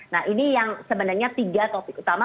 nah ini yang sebenarnya tiga topik utama